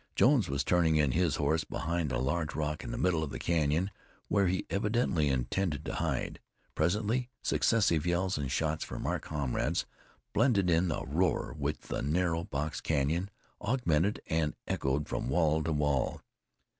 Jones was turning in his horse behind a large rock in the middle of the canyon, where he evidently intended to hide. Presently successive yells and shots from our comrades blended in a roar which the narrow box canyon augmented and echoed from wall to wall.